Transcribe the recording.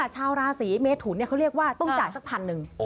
ชาวราศีเมทุนเขาเรียกว่าต้องจ่ายสักพันหนึ่ง